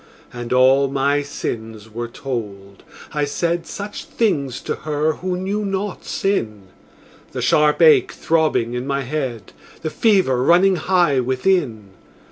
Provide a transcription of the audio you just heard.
And all my sins were told; I said Such things to her who knew not sin The sharp ache throbbing in my head, The fever running high within.